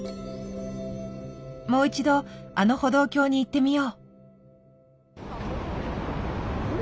もう一度あの歩道橋に行ってみよう。